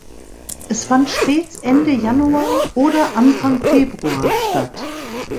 Es fand stets Ende Januar oder Anfang Februar statt.